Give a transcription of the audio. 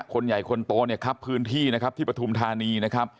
คนใหญ่คนโตเนี่ยครับพื้นที่นะครับที่ปฐุมธานีนะครับ